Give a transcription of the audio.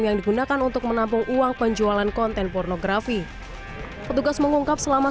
yang digunakan untuk menampung uang penjualan konten pornografi petugas mengungkap selama